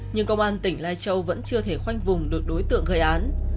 nhưng công an tỉnh lai châu vẫn chưa thể khoanh vùng được đối tượng gây án